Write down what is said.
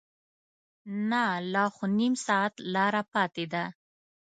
نه لا خو نیم ساعت لاره پاتې ده.